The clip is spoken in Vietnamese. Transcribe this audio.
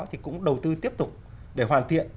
thì cũng đầu tư tiếp tục để hoàn thiện